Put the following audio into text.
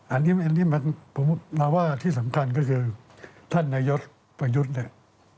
อันนี้ผมมาว่าที่สำคัญก็คือท่านนายกประยุทธ์เนี่ย